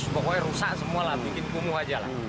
pokoknya rusak semualah bikin kumuh aja lah